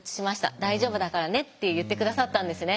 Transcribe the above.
大丈夫だからね」って言って下さったんですね。